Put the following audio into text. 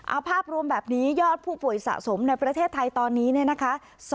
เอาภาพรวมแบบนี้ยอดผู้ป่วยสะสมในประเทศไทยตอนนี้เนี่ยนะคะ